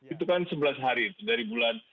itu kan sebelas hari dari bulan